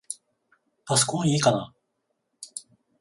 パソコンいいかな？